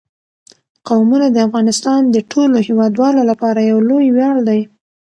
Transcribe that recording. قومونه د افغانستان د ټولو هیوادوالو لپاره یو لوی ویاړ دی.